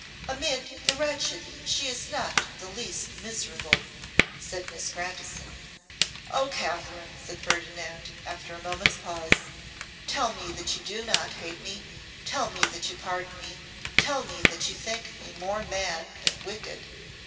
'Amid the wretched she is not the least miserable,' said Miss Grandison. 'O Katherine!' said Ferdinand, after a moment's pause, 'tell me that you do not hate me; tell me that you pardon me; tell me that you think me more mad than wicked!